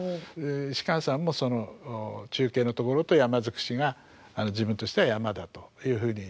芝さんもその中啓のところと山尽しが自分としては山だというふうに言ってられるから。